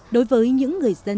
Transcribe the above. đối với những người dân việt nam